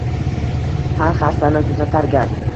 Har xastani tuzatarkan